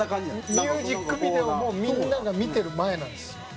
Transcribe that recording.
ミュージックビデオもみんなが見てる前なんです。